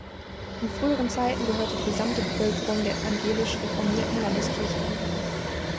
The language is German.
In früheren Zeiten gehörte die gesamte Bevölkerung der Evangelisch-Reformierten Landeskirche an.